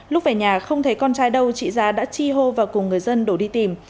lúc về nhà không thấy con trai đâu chị ra đã chi hô và cùng người dân đổ đi tìm